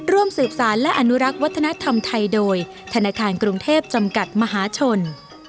ร่วมสืบสารและอนุรักษ์วัฒนธรรมไทยโดยธนาคารกรุงเทพจำกัดมหาชน